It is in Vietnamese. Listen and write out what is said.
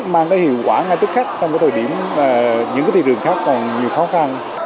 mang tới hiệu quả ngay tức khách trong thời điểm những thị trường khác còn nhiều khó khăn